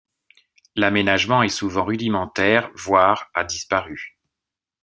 L'aménagement est souvent rudimentaire voire a disparu.